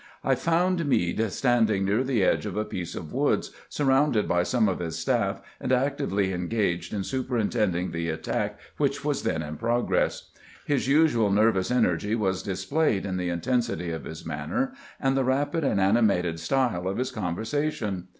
I found Meade standing near the edge of a piece of woods, surrounded by some of his staff, and actively engaged in superintending the attack, which was then in pro gress. • His usual nervous energy was displayed in the intensity of his manner and the rapid and animated style of his conversation.